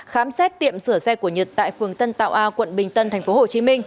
khám xét tiệm sửa xe của nhật tại phường tân tạo a quận bình tân tp hcm